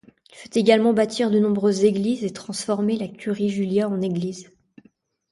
Il fait également bâtir de nombreuses églises et transformer la Curie Julia en église.